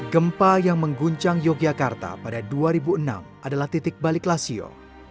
gempa yang mengguncang yogyakarta pada dua ribu enam adalah titik balik lasio